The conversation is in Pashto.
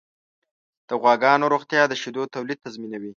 د غواګانو روغتیا د شیدو تولید تضمینوي.